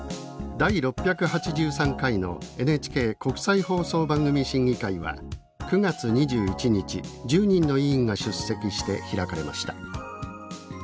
第６８３回のＮＨＫ国際放送番組審議会は９月２１日１０人の委員が出席して開かれました。